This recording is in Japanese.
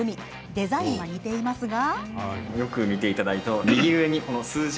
デザインは似ていますが。